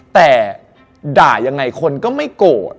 แต่ด่ายังไงคนก็ไม่โกรธ